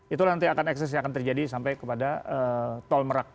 itu nanti akan ekses yang akan terjadi sampai kepada tol merak